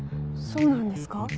そうなんですか？